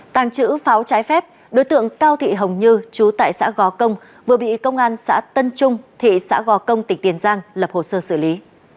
tàng trữ pháo trái phép đối tượng cao thị hồng như chú tại xã gò công vừa bị công an xã tân trung thị xã gò công tỉnh tiền giang lập hồ sơ xử lý